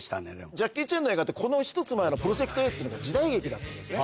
ジャッキー・チェンの映画って、この１つ前のプロジェクトＡっていうのが、時代劇だったんですね。